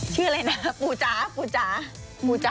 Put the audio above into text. ชื่ออะไรน่ะปูจ๋า